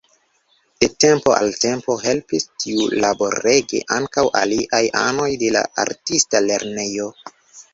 De tempo al tempo helpis tiulaborege ankaŭ aliaj anoj de la artista lernejo.